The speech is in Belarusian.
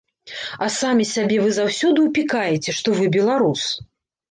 А самі сябе вы заўсёды ўпікаеце, што вы беларус?